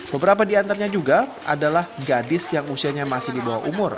beberapa di antaranya juga adalah gadis yang usianya masih di bawah umur